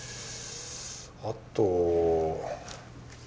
あと。